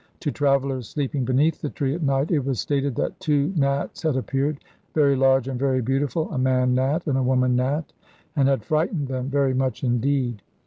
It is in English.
To travellers sleeping beneath the tree at night it was stated that two Nats had appeared, very large and very beautiful, a man Nat and a woman Nat, and had frightened them very much indeed.